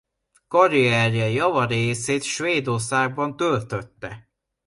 Karrierje java részét Svédországban töltötte.